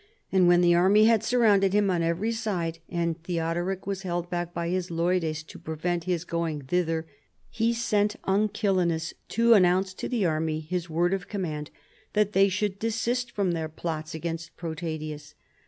And when the army had surrounded him on every side, and Theodoric was held back by his leudes to prevent his going thither, he sent TJncilenus to announce to the army his word of command that they should desist from their plots against Protadius.